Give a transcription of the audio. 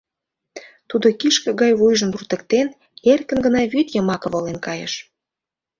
Тудо кишке гай вуйжым туртыктен, эркын гына вӱд йымаке волен кайыш.